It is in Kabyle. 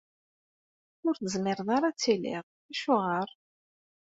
Ur tezmireḍ ara ad tiliḍ? Acuɣer?